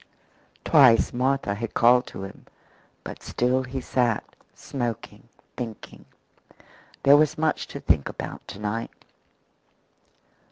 Twice Martha had called to him, but still he sat, smoking, thinking. There was much to think about to night.